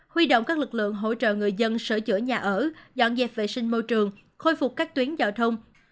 huy động các lực lượng hỗ trợ người dân sửa chữa nhà ở dọn dẹp vệ sinh môi trường khôi phục các tuyến giao thông